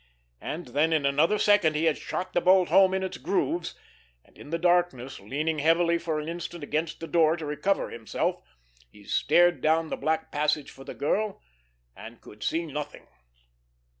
And then in another second he had shot the bolt home in its grooves, and, in the darkness, leaning heavily for an instant against the door to recover himself, he stared down the black passage for the girl, and could see nothing.